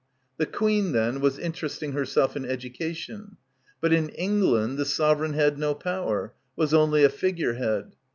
The Queen, then, was interesting herself in education. But in England the sovereign had no power, was only a figure head.